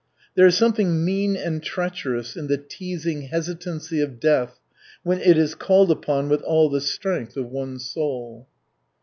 There is something mean and treacherous in the teasing hesitancy of death when it is called upon with all the strength of one's soul.